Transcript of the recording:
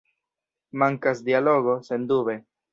Mankas dialogo, sendube!